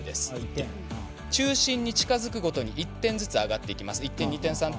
中心に近づくごとに１点ずつ上がっていきます。